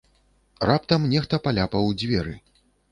Раптам нехта паляпаў у дзверы.